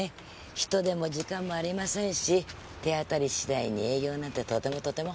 人手も時間もありませんし手当たり次第に営業なんてとてもとても。